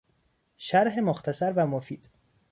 شرح مختصر و مفید